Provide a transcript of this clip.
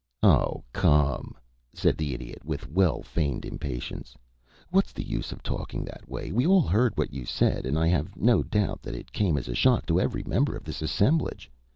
"Oh, come!" said the Idiot, with well feigned impatience, "what's the use of talking that way? We all heard what you said, and I have no doubt that it came as a shock to every member of this assemblage.